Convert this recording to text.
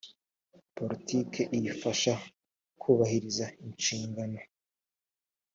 politiki iyifasha kubahiriza inshingano